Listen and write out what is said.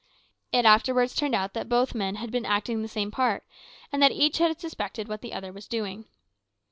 It afterwards turned out that both men had been acting the same part, and that each had suspected what the other was doing.